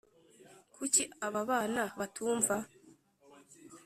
kucyi ababana batumva